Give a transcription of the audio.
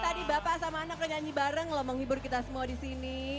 tadi bapak sama anak udah nyanyi bareng loh menghibur kita semua disini